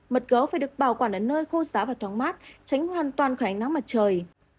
mật gấu phải được bảo quản ở nơi khô giáo và thoáng mát tránh hoàn toàn khải ánh nắng mặt trời